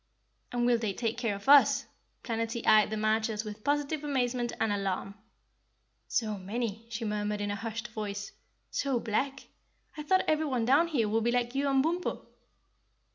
"And will they take care of us?" Planetty eyed the marchers with positive amazement and alarm. "So many," she murmured in a hushed voice, "so black. I thought everyone down here would be like you and Bumpo."